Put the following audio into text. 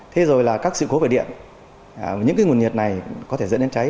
thế rồi là các sự cố về điện những cái nguồn nhiệt này có thể dẫn đến cháy